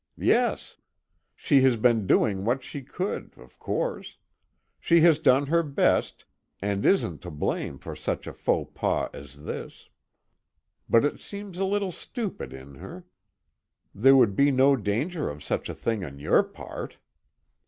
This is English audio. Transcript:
Yes. She has been doing what she could, of course she has done her best, and isn't to blame for such a faux pas as this; but it seems a little stupid in her. There would be no danger of such a thing on your part!"